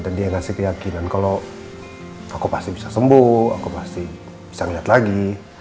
dan dia yang kasih keyakinan kalau aku pasti bisa sembuh aku pasti bisa melihat lagi